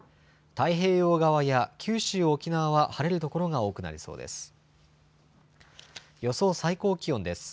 太平洋側や九州、沖縄は晴れる所が多くなりそうです。